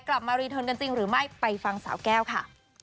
มารีเทิร์นกันจริงหรือไม่ไปฟังสาวแก้วค่ะ